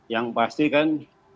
yang pasti kan